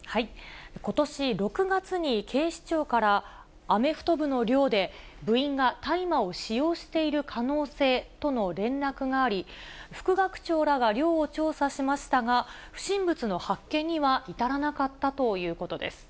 ことし６月に警視庁から、アメフト部の寮で、部員が大麻を使用している可能性との連絡があり、副学長らが寮を調査しましたが、不審物の発見には至らなかったということです。